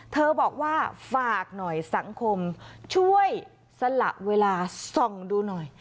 บอกว่าฝากหน่อยสังคมช่วยสละเวลาส่องดูหน่อย